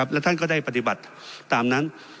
และท่านก็ได้ปฏิบัติตามนั้น